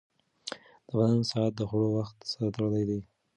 د بدن ساعت د خوړو وخت سره تړلی دی.